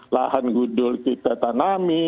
lahan gudul kita tanami